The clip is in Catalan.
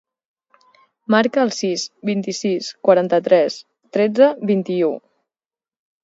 Marca el sis, vint-i-sis, quaranta-tres, tretze, vint-i-u.